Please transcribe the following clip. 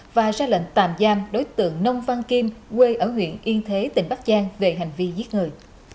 và ra lệnh tạm giam đối tượng nông văn kim quê ở huyện yên thế tỉnh bắc giang về hành vi giết người